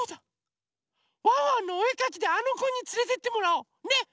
「ワンワンのおえかき」であのこにつれてってもらおう！ね！